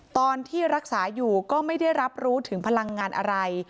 ตอนที่รักษาอยู่ก็ไม่ได้รับรู้ถึงพลังงานอะไร